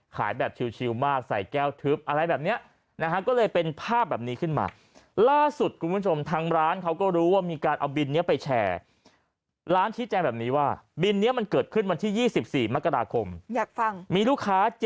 ขายแบบชิลมากใส่แก้วทึบอะไรแบบนี้ก็เลยเป็นภาพขึ้นมา